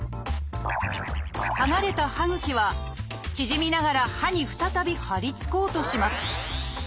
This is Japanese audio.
剥がれた歯ぐきは縮みながら歯に再びはりつこうとします。